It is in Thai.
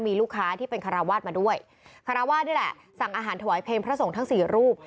มีลูกค้าที่เป็นคาราวาสมาด้วยคาราวาสนี่แหละสั่งอาหารถวายเพลงพระสงฆ์ทั้งสี่รูป